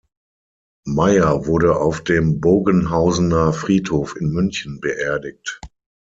Meyer wurde auf dem Bogenhausener Friedhof in München beerdigt.